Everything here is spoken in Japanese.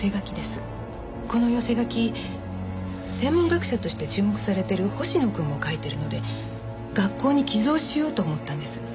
この寄せ書き天文学者として注目されてる星野くんも書いてるので学校に寄贈しようと思ったんです。